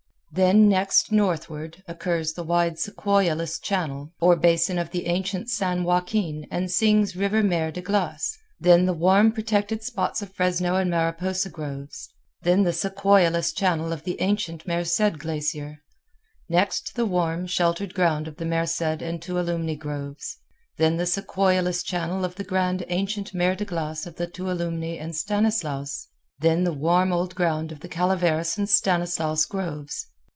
Then, next northward, occurs the wide sequoia less channel, or basin of the ancient San Joaquin and sings River mer de glace; then the warm, protected spots of Fresno and Mariposa groves; then the sequoia less channel of the ancient Merced glacier; next the warm, sheltered ground of the Merced and Tuolumne groves; then the sequoia less channel of the grand ancient mer de glace of the Tuolumne and Stanislaus; then the warm old ground of the Calaveras and Stanislaus groves.